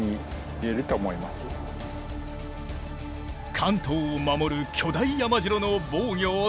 関東を守る巨大山城の防御を体感！